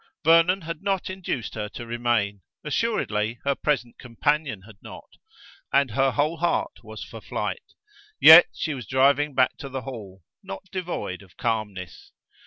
Vernon had not induced her to remain; assuredly her present companion had not; and her whole heart was for flight: yet she was driving back to the Hall, not devoid of calmness.